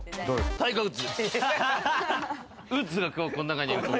タイガー・ウッズ。